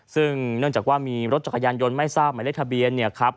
ซึ่งเนื่องจากว่ามีรถจักรยานยนต์ไม่ทราบหมายเลขทะเบียนเนี่ยครับ